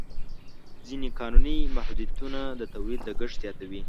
ځینې قانوني محدودیتونه د تولید لګښت زیاتوي.